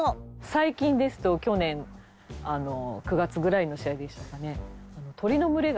最近ですと去年９月ぐらいの試合でしたかね。